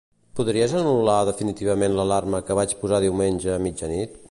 Podries anul·lar definitivament l'alarma que vaig posar diumenge a mitjanit?